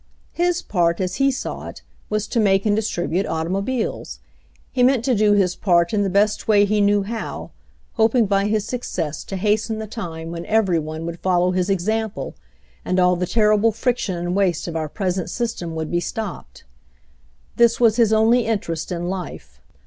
His part, as he saw it, was to make and dis tribute automobiles. He meant to do his part in the best way he knew how, hoping by his suc cess to hasten the time when every one would follow his example, and all the terrible friction and waste of our present system would be stopped. This was his only interest in life.